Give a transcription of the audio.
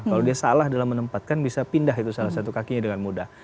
kalau dia salah dalam menempatkan bisa pindah itu salah satu kakinya dengan mudah